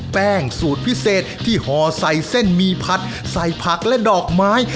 แป้งสูตรพิเศษที่ห่อใส่เส้นหมี่ผัดใส่ผักและดอกไม้